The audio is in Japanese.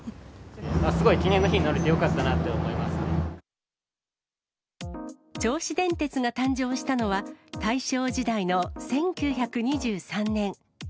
すごい記念の日になってよか銚子電鉄が誕生したのは、大正時代の１９２３年。